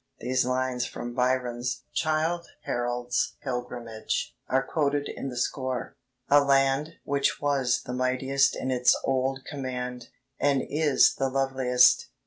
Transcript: These lines from Byron's "Childe Harold's Pilgrimage" are quoted in the score: "... a land Which was the mightiest in its old command, And is the loveliest